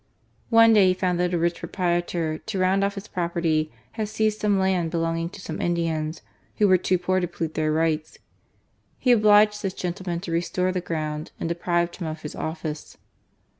One day he found that a rich proprietor, to round off his property, had seized some land belonging to some Indians, who were too poor to plead their rights, ■He obliged this gentleman to restore the ground, and deprived him of his office.